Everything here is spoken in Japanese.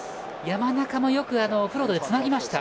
山中もよくオフロードでつなぎました。